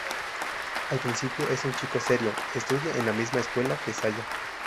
Al principio es un chico serio, estudia en la misma escuela que Saya.